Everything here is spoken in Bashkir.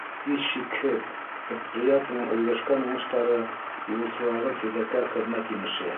Һис шикһеҙ, предприятиеның өлгәшкән уңыштары — юлсыларҙың фиҙаҡәр хеҙмәт емеше.